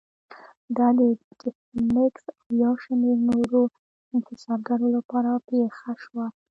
دا د ټیلمکس او یو شمېر نورو انحصارګرو لپاره پېښه شوه.